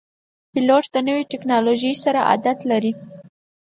پیلوټ د نوي ټکنالوژۍ سره عادت لري.